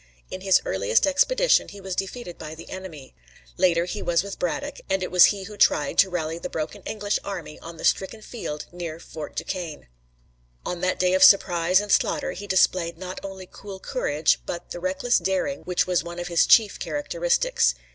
In his earliest expedition he was defeated by the enemy. Later he was with Braddock, and it was he who tried, to rally the broken English army on the stricken field near Fort Duquesne. On that day of surprise and slaughter he displayed not only cool courage but the reckless daring which was one of his chief characteristics.